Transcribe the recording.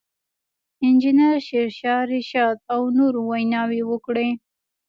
انجنیر شېرشاه رشاد او نورو ویناوې وکړې.